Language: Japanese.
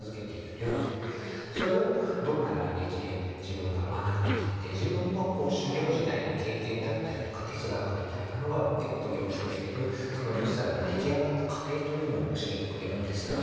それをどんな来歴で自分が学んでいって自分の修業時代の経験だったりとか哲学みたいなのがギュッと凝縮しているその十皿が出来上がった過程というのを教えてくれるんですけど。